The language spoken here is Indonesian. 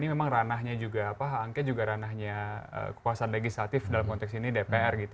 memang hak angket juga ranahnya kekuasaan legislatif dalam konteks ini dpr